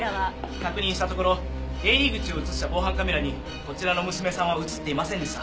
確認したところ出入り口を映した防犯カメラにこちらの娘さんは映っていませんでした。